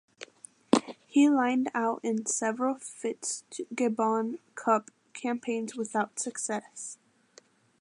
He lined out in several Fitzgibbon Cup campaigns without success.